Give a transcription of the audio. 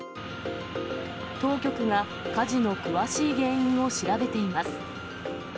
当局が火事の詳しい原因を調べています。